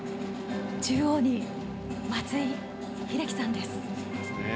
中央に松井秀喜さんです。